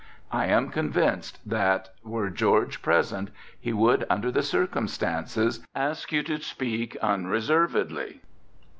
I am convinced that were George present he would, under the circumstances, ask you to speak unreservedly."